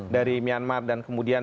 dari myanmar dan kemudian